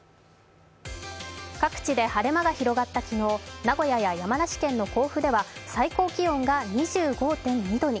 各地で晴れ間が広がった昨日、名古屋や山梨県の甲府では最高気温が２５．２度に。